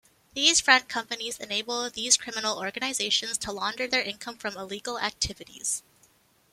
These front companies enable these criminal organizations to launder their income from illegal activities.